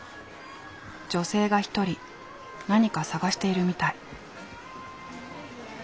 女性が一人何か探しているみたい。